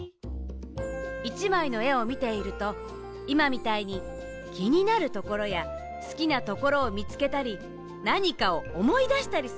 １まいのえをみているといまみたいにきになるところやすきなところをみつけたりなにかをおもいだしたりするでしょ？